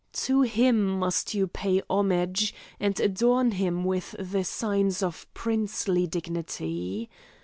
To him must you pay homage, and adorn him with the signs of princely dignity.